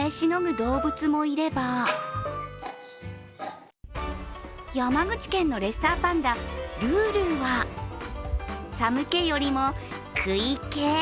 動物もいれば山口県のレッサーパンダルールーは寒気よりも食い気！